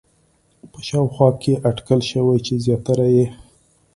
په شاوخوا کې اټکل شوی چې زیاتره یې